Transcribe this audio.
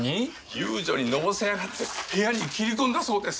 遊女にのぼせ上がって部屋に斬り込んだそうです。